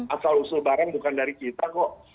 asal usul barang bukan dari kita kok